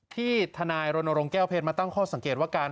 ที่ทนายโรโนโรงแก้วเพชรมาตั้งข้อสังเกตว่าการ